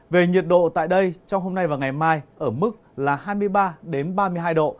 về nhiệt độ tại đây trong hôm nay và ngày mai ở mức là hai mươi ba ba mươi hai độ